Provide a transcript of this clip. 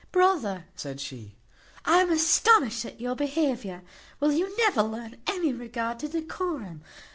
"Brother," said she, "I am astonished at your behaviour; will you never learn any regard to decorum?